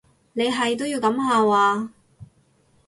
你係都要噉下話？